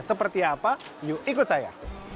seperti apa yuk ikut saya